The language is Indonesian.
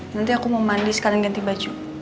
nanti aku mau mandi sekarang ganti baju